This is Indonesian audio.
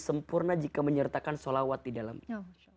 sempurna jika menyertakan sholawat di dalamnya